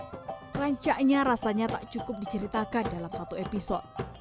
rancaknya rasanya tak cukup diceritakan dalam satu episode